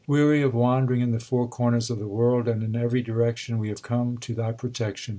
Weary of wandering in the four corners of the world and in every direction, we have come to Thy protection.